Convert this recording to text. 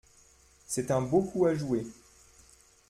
C'est un beau coup à jouer.